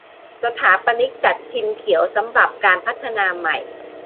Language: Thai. สถาปนิกจัดทำพิมพ์เขียวสำหรับการพัฒนาใหม่